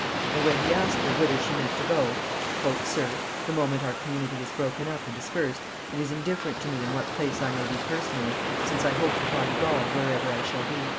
And when he asked her whither she meant to go, "Sir, the moment our community is broken up and dispersed, it is indifferent to me in what place I may be personally, since I hope to find God wherever I shall be."